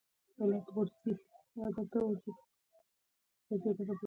ځوان او زوړ ترمنځ د استاد او شاګرد ترمنځ وي.